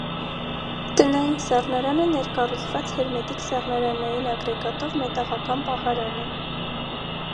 Տնային սառնարանը ներկառուցված հերմետիկ սառնարանային ագրեգատով մետաղական պահարան է։